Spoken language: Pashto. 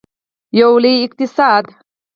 یو لوی اقتصاد.